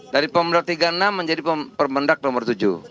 dari pemda tiga puluh enam menjadi permendak nomor tujuh